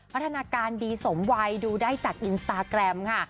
พัฒนาการดีสมวัยดูได้จากอินสตาแกรมค่ะ